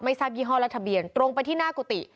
ทราบยี่ห้อและทะเบียนตรงไปที่หน้ากุฏิ